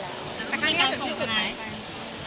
แต่ข้างในการชงคืนไหม